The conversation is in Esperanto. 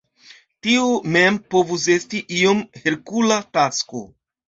Tio mem povus esti iom Herkula tasko.